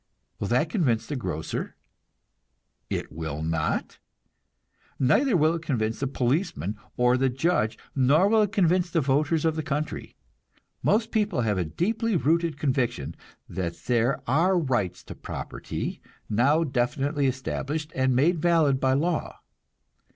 Will that convince the grocer? It will not. Neither will it convince the policeman or the judge, nor will it convince the voters of the country. Most people have a deeply rooted conviction that there are rights to property now definitely established and made valid by law.